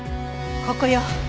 ここよ。